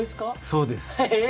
そうです。